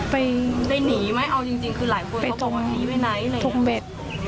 ไปตรงเบช